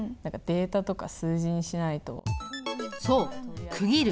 そう区切る。